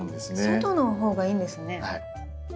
外の方がいいんですね。